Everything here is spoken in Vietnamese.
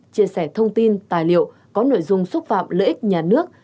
chia sẻ thông tin tài liệu có nội dung xúc phạm lợi ích nhà nước